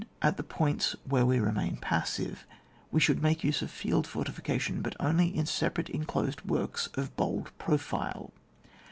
At the points where we remain passive, we should make use of field fortification, but only in separate en closed works of bold profile.